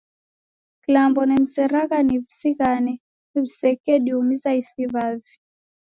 Kilambo nimzeragha ni wizighane wisekediumiza isi wavi.